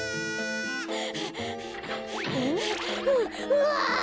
うわ！